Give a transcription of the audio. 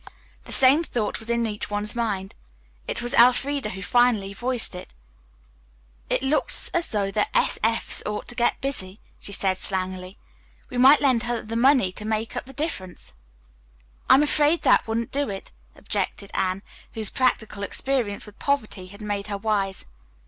The same thought was in each one's mind. It was Elfreda who finally voiced it. "It looks as though the S. F.'s ought to get busy," she said slangily. "We might lend her the money to make up the difference." "I am afraid that wouldn't do," objected Anne, whose practical experience with poverty had made her wise.